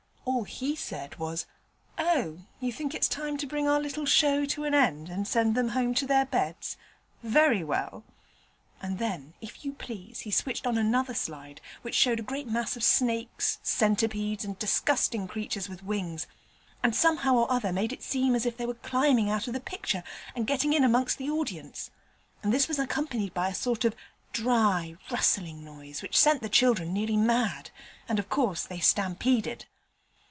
All he said was: "Oh, you think it's time to bring our little show to an end and send them home to their beds? Very well!" And then, if you please, he switched on another slide, which showed a great mass of snakes, centipedes, and disgusting creatures with wings, and somehow or other he made it seem as if they were climbing out of the picture and getting in amongst the audience; and this was accompanied by a sort of dry rustling noise which sent the children nearly mad, and of course they stampeded.